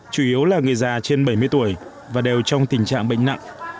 chủ yếu là người già trên bảy mươi tuổi và đều trong tình trạng bệnh nặng